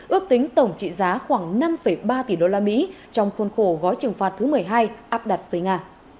ước tính tổng trị giá khoảng năm ba tỷ usd trong khuôn khổ gói trừng phạt thứ một mươi hai áp đặt tới nga